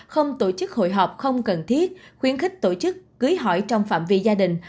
không tổ chức hội họp không cần thiết khuyến khích tổ chức cưới hỏi trong phạm vi gia đình